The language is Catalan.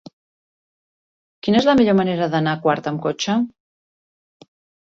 Quina és la millor manera d'anar a Quart amb cotxe?